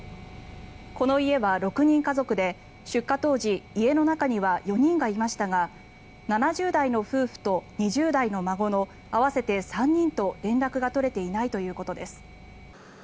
この家は６人家族で、出火当時家の中には４人がいましたが７０代の夫婦と２０代の孫の合わせて３人と連絡が取れていないということです。